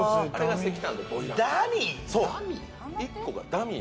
ダミー？